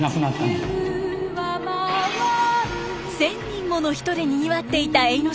１，０００人もの人でにぎわっていた永ノ